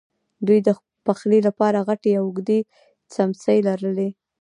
دوی د پخلی لپاره غټې او اوږدې څیمڅۍ لرلې.